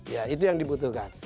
ya itu yang dibutuhkan